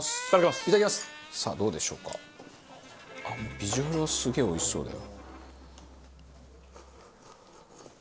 ビジュアルはすげえおいしそうだよ。